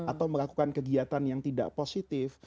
atau melakukan kegiatan yang tidak positif